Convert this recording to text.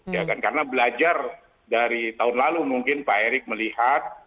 ya kan karena belajar dari tahun lalu mungkin pak erick melihat